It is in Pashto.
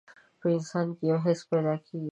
په انسان کې يو حس پيدا کېږي.